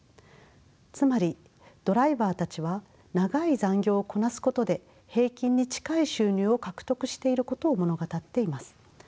つまりドライバーたちは長い残業をこなすことで平均に近い収入を獲得していることを物語っています。